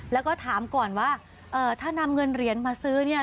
แล้วก็ถามก่อนว่าถ้านำเงินเหรียญมาซื้อเนี่ย